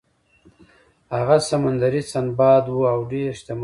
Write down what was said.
هغه سمندري سنباد و او ډیر شتمن و.